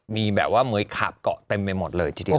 มีแบบว่าเม้ยขาบเกาะเต็มไปหมดเลยทีเดียว